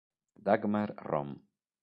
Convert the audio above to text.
Dagmar Rom